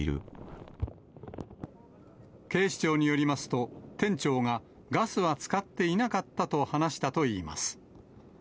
警視庁によりますと、店長がガスは使っていなかったと話したといいます。